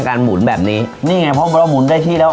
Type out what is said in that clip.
หมุนแบบนี้นี่ไงเพราะเราหมุนได้ที่แล้ว